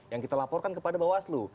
yang kita laporkan kepada bawaslu